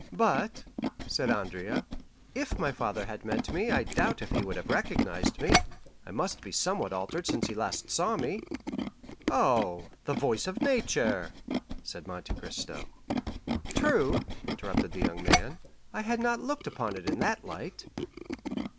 "But," said Andrea, "if my father had met me, I doubt if he would have recognized me; I must be somewhat altered since he last saw me." "Oh, the voice of nature," said Monte Cristo. "True," interrupted the young man, "I had not looked upon it in that light."